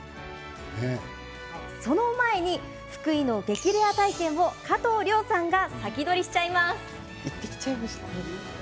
その前に、福井の激レア体験を加藤諒さんが先取りしちゃいます。